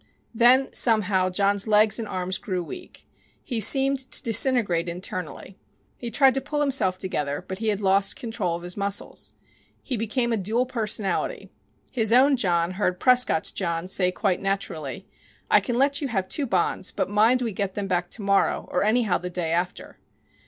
Then somehow John's legs and arms grew weak. He seemed to disintegrate internally. He tried to pull himself together, but he had lost control of his muscles. He became a dual personality. His own John heard Prescott's John say quite naturally: "I can let you have two bonds, but mind we get them back to morrow, or anyhow the day after."